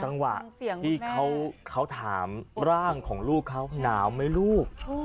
จังหวะที่เขาถามร่างของลูกเขาหนาวไหมลูก